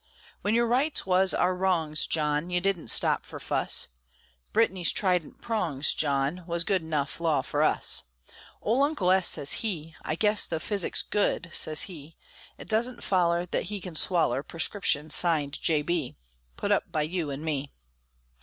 When your rights was our wrongs, John, You didn't stop for fuss, Britanny's trident prongs, John, Was good 'nough law for us. Ole Uncle S. sez he, "I guess, Though physic's good," sez he, "It doesn't foller thet he can swaller Prescriptions signed 'J. B.,' Put up by you an' me."